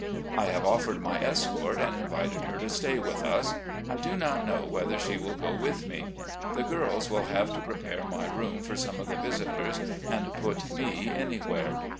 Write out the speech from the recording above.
I have offered my escort and invited her to stay with us. I do not know whether she will go with me. The girls will have to prepare my room for some of the visitors, and put me anywhere.